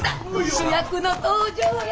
主役の登場や。